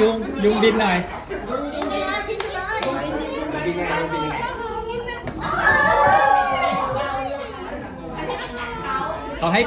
ยุงยุงบินไงไม่กัดพี่ไปได้ไหม